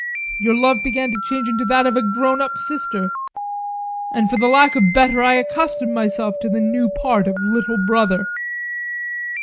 Your love began to change into that of a grown up sister, and for lack of better I accustomed myself to the new part of little brother.